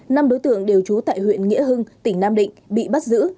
năm đối tượng đều trú tại huyện nghĩa hưng tỉnh nam định bị bắt giữ